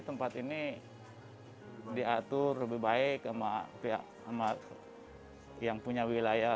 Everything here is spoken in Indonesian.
tempat ini diatur lebih baik sama yang punya wilayah